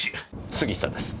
杉下です。